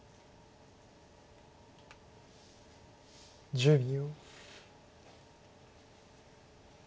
１０秒。